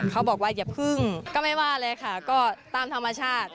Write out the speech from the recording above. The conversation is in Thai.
เขาบอกว่าอย่าพึ่งก็ไม่ว่าเลยค่ะก็ตามธรรมชาติ